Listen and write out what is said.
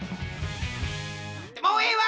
もうええわ！